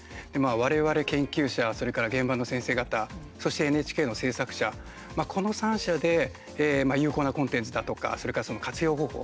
われわれ研究者、それから現場の先生方、そしてＮＨＫの制作者、この三者で有効なコンテンツだとかそれから活用方法